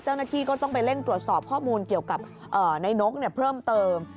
เจ้าหน้าที่ก็ต้องไปเร่งตรวจสอบข้อมูลเกี่ยวกับนายนกเพิ่มเติม